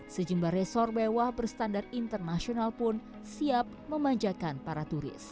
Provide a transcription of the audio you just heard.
sejumlah resor mewah berstandar internasional pun siap memanjakan para turis